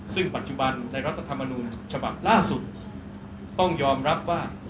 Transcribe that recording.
ซึ่งปัจจุบันในรัฐธรรมนูญฉบับล่าสุดต้องยอมรับว่า